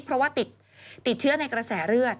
เพราะว่าติดเชื้อในกระแสเลือด